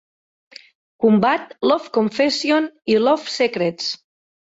Combat", "Love Confessions" i "Love Secrets".